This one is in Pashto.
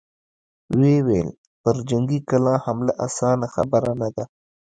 ويې ويل: پر جنګي کلا حمله اسانه خبره نه ده!